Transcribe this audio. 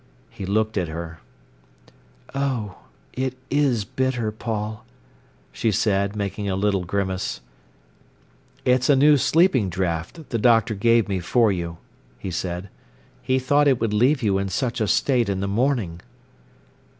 He looked at her. "Oh, it is bitter, Paul!" she said, making a little grimace. "It's a new sleeping draught the doctor gave me for you," he said. "He thought it would leave you in such a state in the morning."